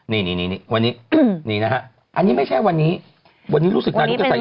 นี่วันนี้อันนี้ไม่ใช่วันนี้วันนี้รู้สึกนายกจะใส่ชุดนี้